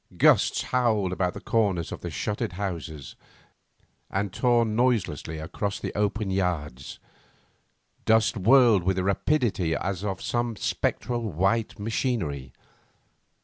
Gusts howled about the corners of the shuttered houses and tore noisily across the open yards. Dust whirled with the rapidity as of some spectral white machinery.